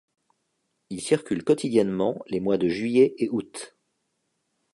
Il circule quotidiennement les mois de juillet et août.